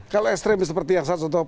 kalau ekstrim seperti yang saya sebut